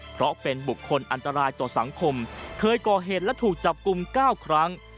เพราะเป็นบุคคลอันตรายต่อสังคมเคยก่อเหตุและถูกจับกลุ่ม๙ครั้ง